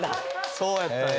そうやったんや。